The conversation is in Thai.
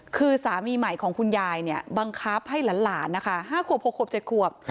คือสามีใหม่ของคุณยายเนี่ยบังคับให้หลานนะคะ๕ขวบ๖ขวบ๗ขวบ